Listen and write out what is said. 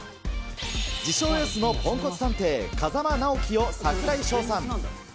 自称、エースのポンコツ探偵、風真尚希を櫻井翔さん。